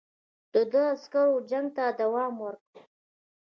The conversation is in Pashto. د ده عسکرو جنګ ته دوام ورکړ.